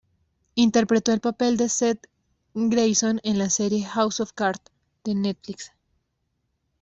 Interpretó el papel de Seth Grayson en la serie "House of Cards" de Netflix.